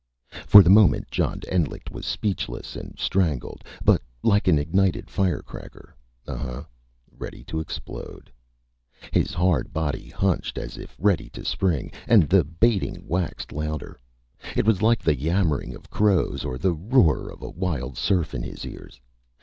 For the moment John Endlich was speechless and strangled but like an ignited firecracker. Uhunh ready to explode. His hard body hunched, as if ready to spring. And the baiting waxed louder. It was like the yammering of crows, or the roar of a wild surf in his ears.